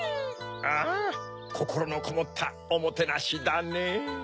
ああこころのこもったおもてなしだねぇ。